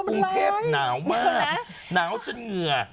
กรุงเทพหนาวมากหนาวจนเหงื่อ